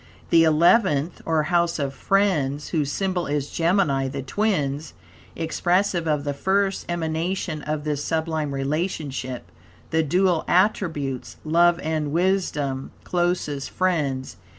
The Eleventh, or House of Friends, whose symbol is Gemini, the Twins, expressive of the first emanation of this sublime relationship, the dual attributes, love and wisdom, closest friends.